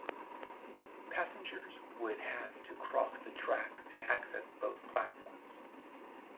Passengers would have to cross the tracks to access both platforms.